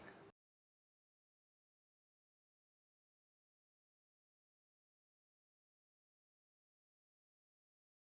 dapatkan informasi tersebut selama berdekat kembali reper